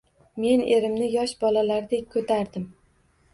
Men erimni yosh bolalardek koʻtardim